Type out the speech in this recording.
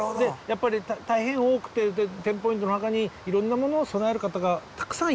やっぱり大変多くてテンポイントのお墓にいろんなものを供える方がたくさんいた。